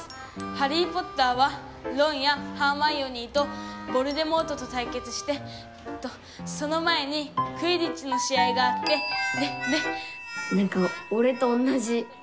『ハリー・ポッター』はロンやハーマイオニーとヴォルデモートとたいけつしてえっとその前にクィディッチの試合があってでで」。